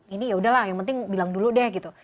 ini yaudahlah yang penting bilang dulu deh gitu